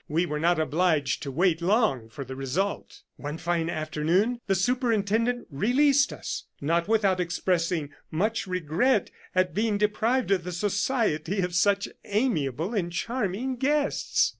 We were not obliged to wait long for the result. "One fine afternoon, the superintendent released us, not without expressing much regret at being deprived of the society of such amiable and charming guests.